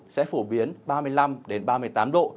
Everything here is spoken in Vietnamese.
sẽ phổ biến ba mươi năm ba mươi tám độ